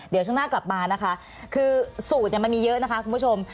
เดี๋ยวช่วงหน้ากลับมานะคะคือสูตรมันมีเยอะนะคะคุณผู้ชม